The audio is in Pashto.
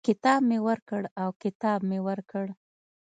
کتاب مي ورکړ او کتاب مې ورکړ.